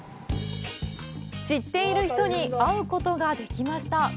知っている人に会うことができました。